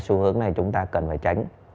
xu hướng này chúng ta cần phải tránh